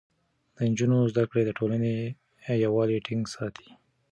د نجونو زده کړه د ټولنې يووالی ټينګ ساتي.